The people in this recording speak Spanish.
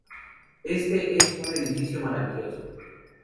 Este es un edificio maravilloso